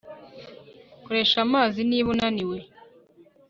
koresha amazi niba unaniwe